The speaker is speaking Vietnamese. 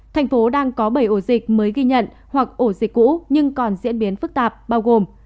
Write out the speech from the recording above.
thành phố đang có bảy ổ dịch mới ghi nhận hoặc ổ dịch cũ nhưng còn diễn biến phức tạp bao gồm